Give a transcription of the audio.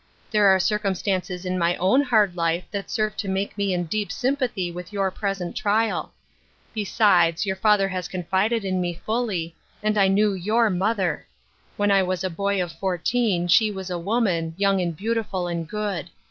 There are cir cumstances in my own hard life that serve to make me in deep sympathy with your present trial. Besides, your father has confided in me fully, and I knew your mother. When I was a boy of fourteen she was a woman, young and beautiful and good.